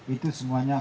itu semuanya harus